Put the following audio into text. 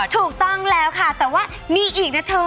ถูกต้องแล้วค่ะแต่ว่ามีอีกนะเธอ